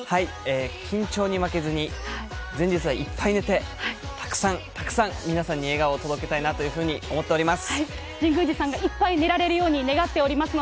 緊張に負けずに、前日はいっぱい寝て、たくさんたくさん皆さんに笑顔を届けたいなというふうに思っております。